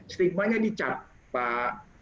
stigmanya dicat pak